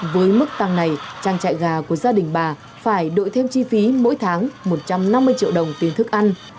với mức tăng này trang trại gà của gia đình bà phải đội thêm chi phí mỗi tháng một trăm năm mươi triệu đồng tiền thức ăn